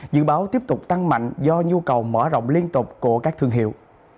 dự báo tiếp tục tăng mạnh do nhu cầu mở rộng liên tục của các thương hiệu